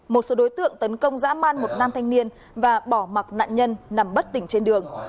một số đối tượng tấn công dã man một nam thanh niên và bỏ mặc nạn nhân nằm bất tỉnh trên đường